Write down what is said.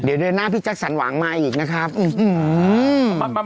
เดี๋ยวหน้าพี่จัคศัลหวังมาอีกนะครับ